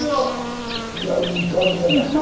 いやいい感じやな。